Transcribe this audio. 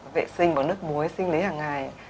vệ sinh bằng nước muối sinh lý hàng ngày